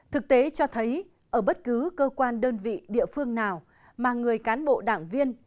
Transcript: thực tế cho thấy ở bất cứ cơ quan đơn vị địa phương nào mà người cán bộ đảng viên